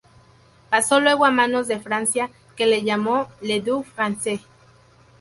Pasó luego a manos de Francia, que la llamó Île de France.